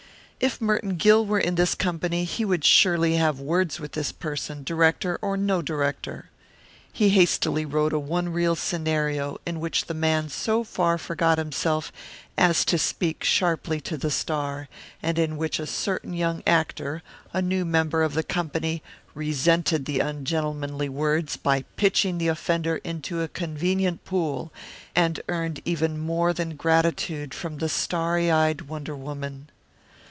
If Merton Gill were in this company he would surely have words with this person, director or no director. He hastily wrote a one reel scenario in which the man so far forgot himself as to speak sharply to the star, and in which a certain young actor, a new member of the company, resented the ungentlemanly words by pitching the offender into a convenient pool and earned even more than gratitude from the starry eyed wonder woman.